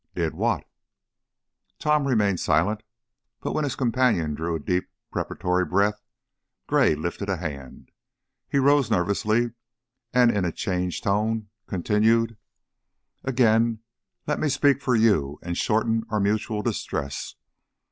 "Did what?" Tom remained silent, but when his companion drew a deep, preparatory breath, Gray lifted a hand. He rose nervously and in a changed tone continued: "Again let me speak for you and shorten our mutual distress.